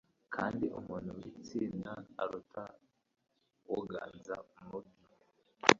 kandi umuntu witsinda aruta uganza umugi